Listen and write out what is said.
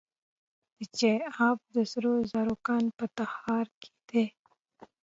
د چاه اب د سرو زرو کان په تخار کې دی